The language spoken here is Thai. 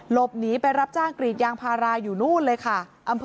หลบหนีไปรับจ้างกรีดยางพาราอยู่นู่นเลยค่ะ